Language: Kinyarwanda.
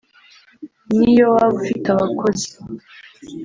niyo waba ufite abakozi